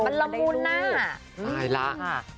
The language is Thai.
ได้ล่ะ